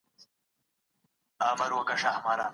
ډېر چاڼ د لوړ ږغ سره دلته راوړل سوی دی.